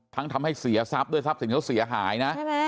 ทำให้เสียทรัพย์ด้วยทรัพย์สินเขาเสียหายนะ